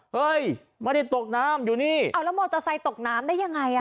เฮ้ยไม่ได้ตกน้ำอยู่นี่เอาแล้วมอเตอร์ไซค์ตกน้ำได้ยังไงอ่ะ